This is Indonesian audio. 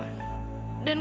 dan ketika kita mampu bertahap